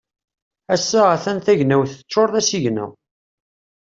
Ass-a a-t-an tagnawt teččur d asigna.